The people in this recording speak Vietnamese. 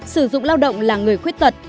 hai sử dụng lao động là người khuyết tật